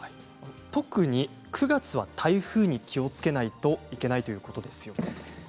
特に９月は台風に気をつけないといけないんですね。